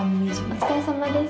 お疲れさまです。